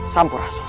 sam pura suami